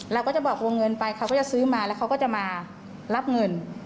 เราก็จะบอกวงเงินไปเขาก็จะซื้อมาแล้วเขาก็จะมารับเงิน